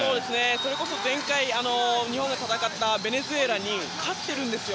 それこそ前回日本が戦ったベネズエラに勝っているんですよ。